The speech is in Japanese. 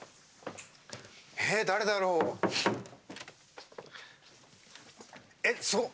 えっ誰だろう？えっすごっ！